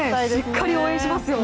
しっかり応援しますよ！